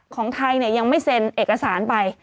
ของไทยยังไม่เซ็นเอกสารไป